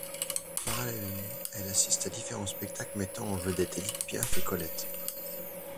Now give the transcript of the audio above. Parallèlement, elle assiste à différents spectacles mettant en vedette Édith Piaf et Colette.